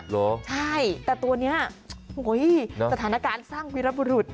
เหรอใช่แต่ตัวนี้สถานการณ์สร้างวิรบุรุษ